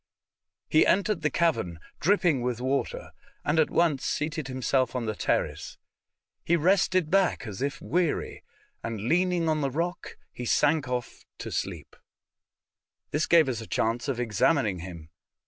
He entered the cavern dripping with water, and at once seated himself on the terrace. He rested back as if weary, and leaning on the rock sank off to sleep. This gave us a chance of examining him.